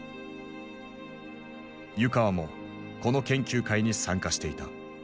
湯川もこの研究会に参加していた。